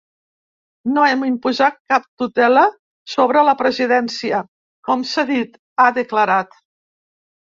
“No hem imposat cap tutela sobre la presidència, com s’ha dit”, ha declarat.